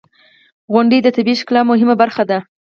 • غونډۍ د طبیعی ښکلا مهمه برخه ده.